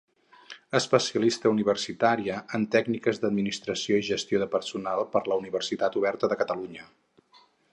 Especialista universitària en Tècniques d'Administració i Gestió de Personal per la Universitat Oberta de Catalunya.